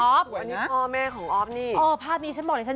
อันนี้่พ่อแม่ของอ๊อสอ๋อภาพฉันบอกเลยซันอ๋อ